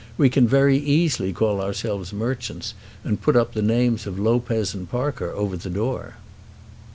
We can very easily call ourselves merchants, and put up the names of Lopez and Parker over the door."